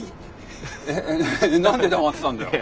何で黙ってたんだよ。